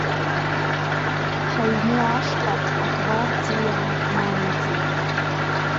Ҳаҩны ашҟа агвардиаа мааиӡеит.